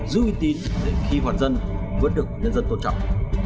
giữ uy tín để khi hoạt dân vẫn được nhân dân tôn trọng